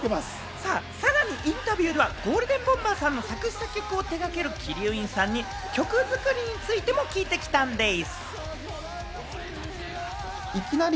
さらにインタビューではゴールデンボンバーさんの作詞・作曲を手がける鬼龍院さんに曲作りについても聞いてきたんでぃす！